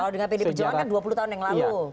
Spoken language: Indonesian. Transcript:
kalau dengan pd perjuangan kan dua puluh tahun yang lalu